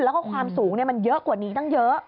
แล้วก็ความสูงมันเยอะกว่านี้ตั้งเยอะ